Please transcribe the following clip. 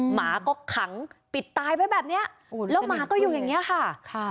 หมาก็ขังปิดตายไว้แบบเนี้ยแล้วหมาก็อยู่อย่างเงี้ยค่ะค่ะ